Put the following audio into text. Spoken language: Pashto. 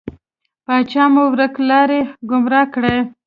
پاچا مو ورک لاری، ګمرا کړی.